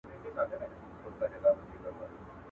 په دامنځ کي پیل هم لرو بر ځغستله.